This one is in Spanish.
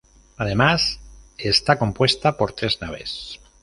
Además está compuesta por tres naves.